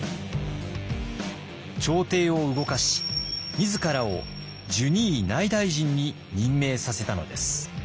朝廷を動かし自らを従二位内大臣に任命させたのです。